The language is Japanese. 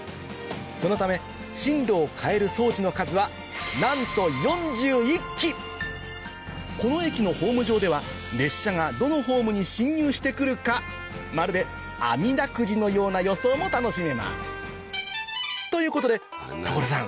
そのため進路を変える装置の数はなんと４１基この駅のホーム上では列車がどのホームに進入してくるかまるであみだくじのような予想も楽しめますということで所さん